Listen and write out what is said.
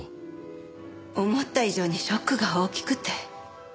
思った以上にショックが大きくて。